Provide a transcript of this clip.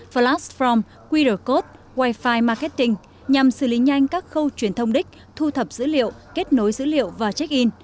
flashform quitter code wi fi marketing nhằm xử lý nhanh các khâu truyền thông đích thu thập dữ liệu kết nối dữ liệu và check in